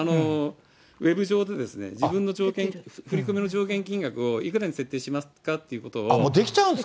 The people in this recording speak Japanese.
ウェブ上で、自分の上限、振り込みの上限をいくらに設定しますかということを。